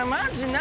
何？